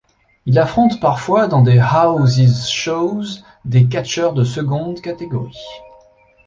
Il affronte parfois dans des houses shows des catcheurs de seconde catégorie.